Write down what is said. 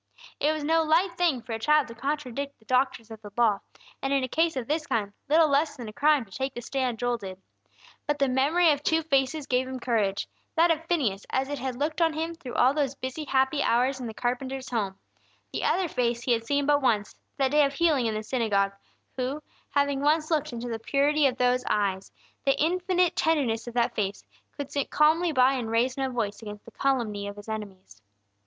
It was no light thing for a child to contradict the doctors of the Law, and, in a case of this kind, little less than a crime to take the stand Joel did. But the memory of two faces gave him courage: that of Phineas as it had looked on him through all those busy happy hours in the carpenter's home; the other face he had seen but once, that day of healing in the synagogue, who, having once looked into the purity of those eyes, the infinite tenderness of that face, could sit calmly by and raise no voice against the calumny of his enemies?